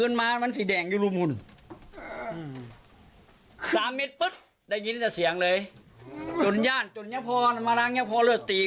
นายศักดิ์